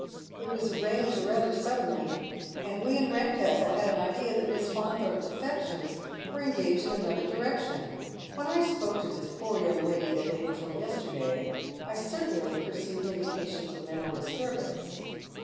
It was arranged rather suddenly, and we in Piedcastle had an idea that Miss Faunthorpe's affections were engaged in another direction. When I spoke to this poor young lady the day before yesterday, I certainly perceived indications of mental disturbance.